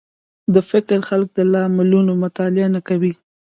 د فکر خلک د لاملونو مطالعه نه کوي